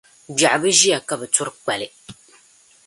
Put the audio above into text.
Gbɛɣu bi ʒia ka bɛ turi kpali.